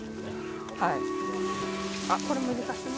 はい。